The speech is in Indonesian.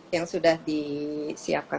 yang sudah disiapkan